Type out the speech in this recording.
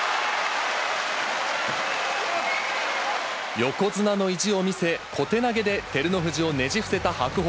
横綱の意地を見せ、小手投げで照ノ富士をねじ伏せた白鵬。